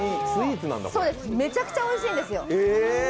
めちゃくちゃおいしいんですよ。